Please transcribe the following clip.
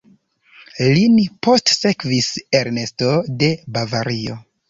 Lin postsekvis Ernesto de Bavario.